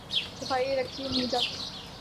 صفائی رکھی نہیں جاتی۔